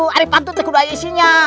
hari pantun tidak ada isinya